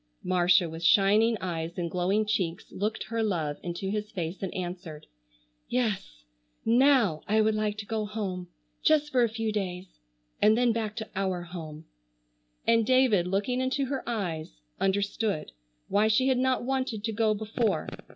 Marcia, with shining eyes and glowing cheeks, looked her love into his face and answered: "Yes, now I would like to go home,—just for a few days—and then back to our home." And David looking into her eyes understood why she had not wanted to go before.